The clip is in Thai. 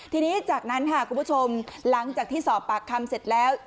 ทีนี้จากนั้นค่ะคุณผู้ชมหลังจากที่สอบปากคำเสร็จแล้ว